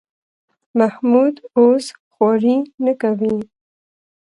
محمود اوس خواري نه کوي.